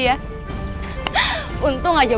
ya untung aja waktu